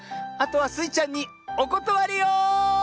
あとはスイちゃんにおことわりよ。